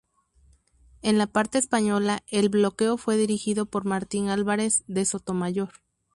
En la parte española el bloqueo fue dirigido por Martín Álvarez de Sotomayor.